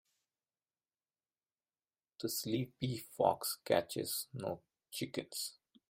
The sleepy fox catches no chickens.